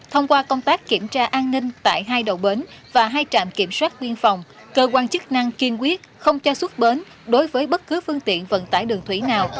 thông qua công tác kiểm tra an ninh tại hai đầu bến và hai trạm kiểm soát biên phòng cơ quan chức năng kiên quyết không cho xuất bến đối với bất cứ phương tiện vận tải đường thủy nào